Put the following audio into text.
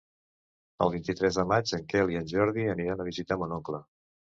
El vint-i-tres de maig en Quel i en Jordi aniran a visitar mon oncle.